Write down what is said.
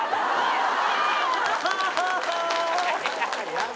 やだ！